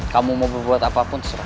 kamu mau berbuat apapun